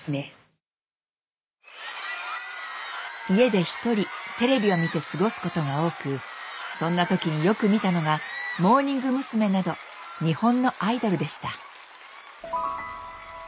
家で一人テレビを見て過ごすことが多くそんな時によく見たのがモーニング娘。など日本のアイドルでした。